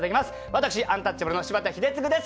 私アンタッチャブルの柴田英嗣です。